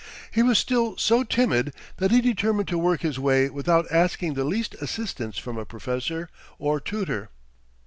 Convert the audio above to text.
He was still so timid that he determined to work his way without asking the least assistance from a professor or tutor.